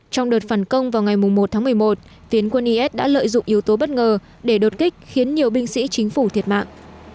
trong đợt phản công vào ngày một tháng một mươi một phiến quân is đã lợi dụng yếu tố bất ngờ để đột kích khiến nhiều binh sĩ chính phủ thiệt mạng